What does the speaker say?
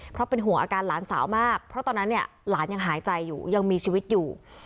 เพราะเป็นห่วงอาการหลานสาวมากเพราะตอนนั้นเนี่ยหลานยังหายใจอยู่ยังมีชีวิตอยู่